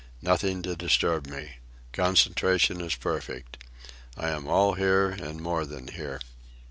Nothing to disturb me. Concentration is perfect. I am all here and more than here."